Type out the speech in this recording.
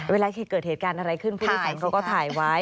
เวลาเกิดเหตุการณ์อะไรขึ้นผู้โดยสารเขาก็ถ่ายไว้